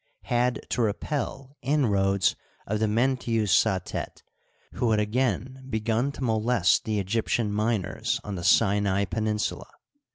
had to repel inroads of the Menttu Satet, who had ag^in begun to molest the Egyp tian miners on the Sinai peninsula.